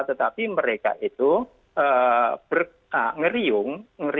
tetapi mereka itu ngeriung